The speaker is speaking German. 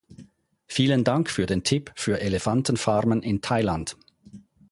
Vielen Dank für den Tipp für Elefantenfarmen in Thailand.